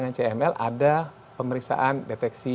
yang kemudian men peaksih innocent prick